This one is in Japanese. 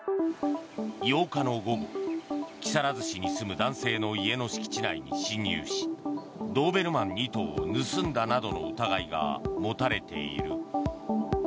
８日の午後、木更津市に住む男性の家の敷地内に侵入しドーベルマン２頭を盗んだなどの疑いが持たれている。